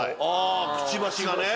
くちばしがね。